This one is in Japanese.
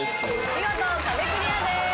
見事壁クリアです。